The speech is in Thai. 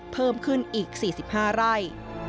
เพิ่มขึ้นอีก๔๕ไร่